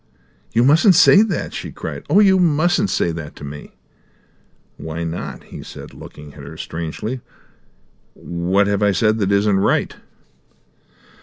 "You mustn't say that!" she cried. "Oh, you mustn't say that to me!" "Why not?" he said, looking at her strangely. "What have I said that isn't right?"